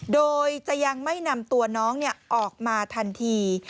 โดยจะยังไม่นำตัวน้องออกมาทันที